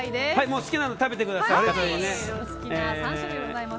もう好きなの食べてください。